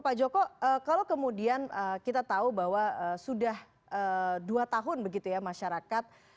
pak joko kalau kemudian kita tahu bahwa sudah dua tahun begitu ya masyarakat